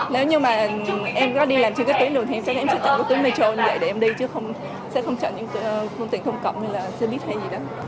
nếu như mà em có đi làm trên cái tuyến đường thì em chắc em sẽ chọn cái tuyến metro như vậy để em đi chứ sẽ không chọn những phương tiện công cộng hay là xe buýt hay gì đó